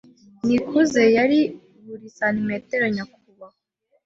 Nikuze yari buri santimetero nyakubahwa.